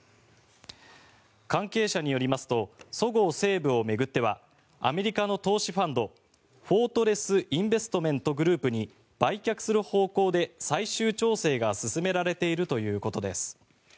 関係者によりますとそごう・西武を巡ってはアメリカの投資ファンドフォートレス・インベストメント・グループに売却する方向で最終調整が進められているということです。